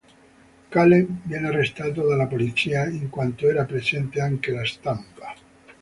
Callen viene arrestato dalla polizia, in quanto era presente anche la stampa.